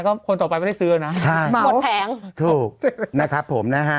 ก็คนต่อไปไม่ได้ซื้อนะใช่หมดแผงถูกนะครับผมนะฮะ